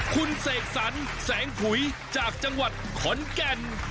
คุณเสกสรรแสงผุยจากจังหวัดขอนแก่น